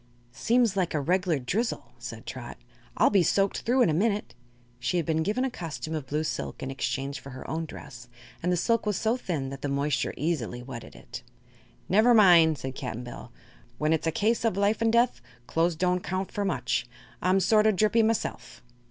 "Seems like a reg'lar drizzle," said Trot. "I'll be soaked through in a minute." She had been given a costume of blue silk, in exchange for her own dress, and the silk was so thin that the moisture easily wetted it. "Never mind," said Cap'n Bill. "When it's a case of life 'n' death, clo's don't count for much. I'm sort o' drippy myself."